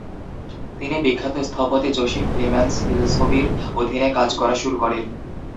তিনি বিখ্যাত স্থপতি জোসেফ ল্যীমান সীল্সবির অধীনে কাজ করা শুরু করেন।